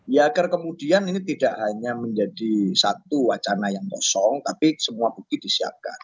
ya agar kemudian ini tidak hanya menjadi satu wacana yang kosong tapi semua bukti disiapkan